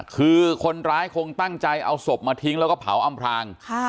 คือคนร้ายคงตั้งใจเอาศพมาทิ้งแล้วก็เผาอำพลาง